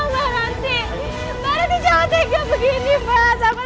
mak nanti jangan tinggal begini sama saya